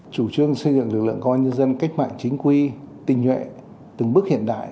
chủ trương xây dựng lực lượng công an nhân dân cách mạng chính quy tình nhuệ từng bước hiện đại